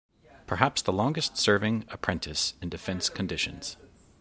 Perhaps the longest serving apprentice in defense conditions.